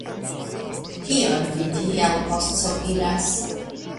Kion vi tiel postsopiras?